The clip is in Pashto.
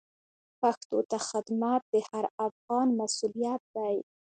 پښتو ته خدمت د هر افغان مسوولیت دی.